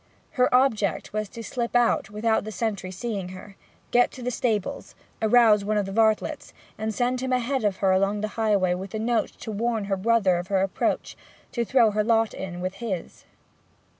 Her object was to slip out without the sentry seeing her, get to the stables, arouse one of the varlets, and send him ahead of her along the highway with the note to warn her brother of her approach, to throw in her lot with his.